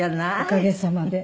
おかげさまで。